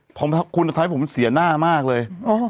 เเพราะมาทำให้คุณทำให้ผมเสียหน้ามากเลย